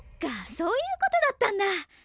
そういうことだったんだ！